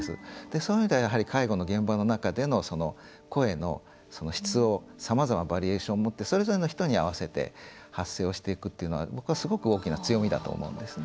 そういう意味では、やはり介護の現場の中での声の質をさまざまバリエーションを持ってそれぞれの人に合わせて発声をしていくっていうのは僕はすごく大きな強みだと思うんですね。